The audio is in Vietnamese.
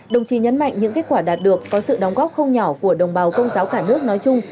đồng chí nhấn mạnh những kết quả đạt được có sự đóng góp không nhỏ của đồng bào công giáo cả nước nói chung